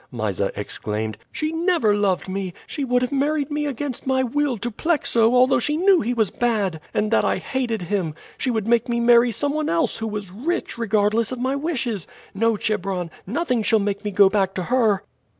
Mysa exclaimed. "She never loved me. She would have married me against my will to Plexo, although she knew he was bad, and that I hated him. She would make me marry some one else who was rich, regardless of my wishes. No, Chebron, nothing shall make me go back to her."